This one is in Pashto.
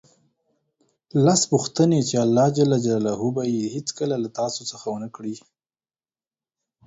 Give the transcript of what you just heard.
لس پوښتنې چې الله ج به یې هېڅکله له تاسو څخه ونه کړي